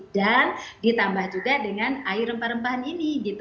dan ditambah juga dengan air rempah rempahan ini